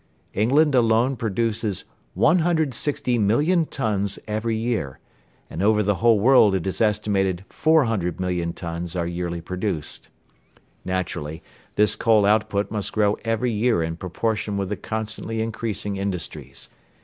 England alone produces 160,000,000 tons every year, and over the whole world it is estimated 400,000,000 tons are yearly produced. Naturally, this coal output must grow every year in proportion with the constantly increasing industries.